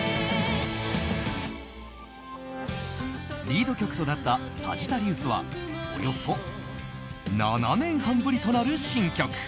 リード曲となった「サジタリウス」はおよそ７年半ぶりとなる新曲。